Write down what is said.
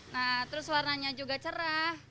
nah terus warnanya juga cerah